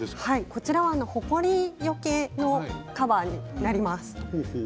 こちらはほこりよけカバーになります。